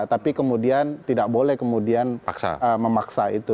tapi kemudian tidak boleh kemudian memaksa itu